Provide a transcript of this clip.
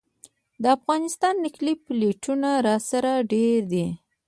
د افغانستان نقلي پلېټونه راسره ډېر دي.